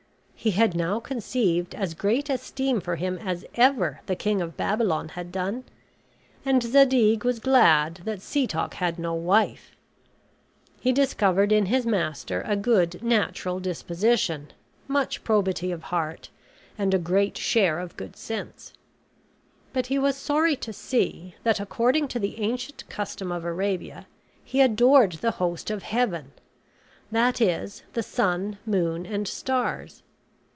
He had now conceived as great esteem for him as ever the King of Babylon had done; and Zadig was glad that Setoc had no wife. He discovered in his master a good natural disposition, much probity of heart, and a great share of good sense; but he was sorry to see that, according to the ancient custom of Arabia, he adored the host of heaven; that is, the sun, moon, and stars.